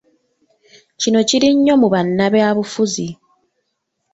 Kino kiri nnyo mu bannabyabufuzi.